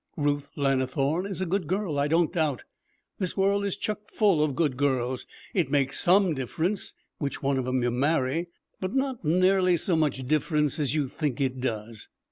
Ruth Lannithorne is a good girl, I don't doubt. This world is chuck full of good girls. It makes some difference which one of 'em you marry, but not nearly so much difference as you think it does.